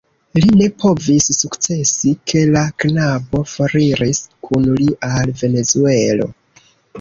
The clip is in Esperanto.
Li ne povis sukcesi, ke la knabo foriris kun li al Venezuelo.